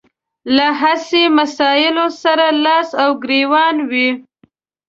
له هسې مسايلو سره لاس او ګرېوان وي.